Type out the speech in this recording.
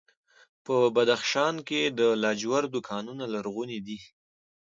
په بدخشان کې د لاجوردو کانونه لرغوني دي